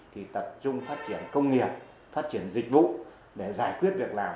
thì tập trung phát triển công nghiệp phát triển dịch vụ để giải quyết việc làm